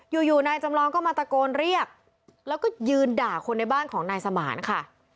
อยู่อยู่นายจำลองก็มาตะโกนเรียกแล้วก็ยืนด่าคนในบ้านของนายสมานค่ะ